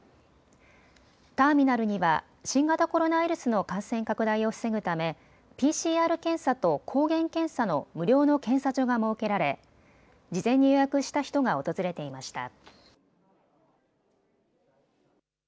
ターミナルには新型コロナウイルスの感染拡大を防ぐためＰＣＲ検査と抗原検査の無料の検査所が設けられ事前に予約した人が訪れていました。